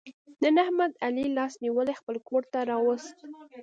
نن احمد علي لاس نیولی خپل کورته را وست.